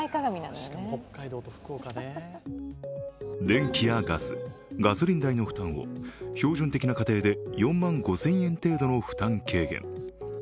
電気やガス、ガソリン代の負担を標準的な家庭で４万５０００円程度の負担軽減。